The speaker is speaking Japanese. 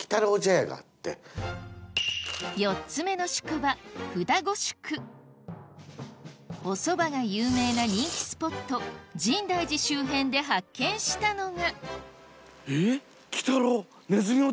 ４つ目の宿場おそばが有名な人気スポット深大寺周辺で発見したのがえぇ？